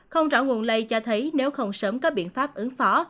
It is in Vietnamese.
không rõ nguồn lây cho thấy nếu không sớm có biện pháp ứng phó